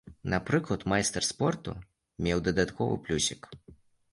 Напрыклад, майстар спорту меў дадатковы плюсік.